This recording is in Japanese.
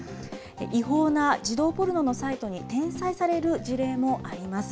違法な児童ポルノのサイトに転載される事例もあります。